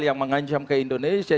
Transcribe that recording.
yang mengancam ke indonesia